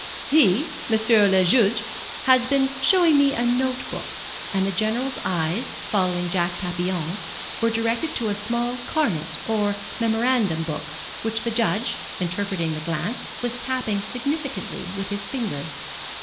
"He M. le Juge has been showing me a note book;" and the General's eyes, following Jack Papillon's, were directed to a small carnet, or memorandum book, which the Judge, interpreting the glance, was tapping significantly with his finger.